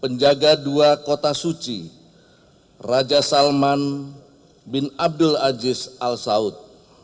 penjaga dua kota suci raja salman bin abdul aziz al saud